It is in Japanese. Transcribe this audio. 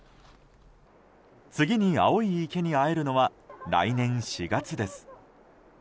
次に青い池に会えるのは来年４月です。